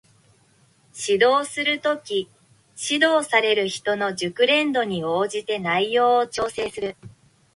指導する時、指導される人の熟練度に応じて内容を調整する